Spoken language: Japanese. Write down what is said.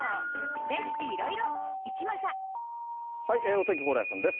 お天気、蓬莱さんです。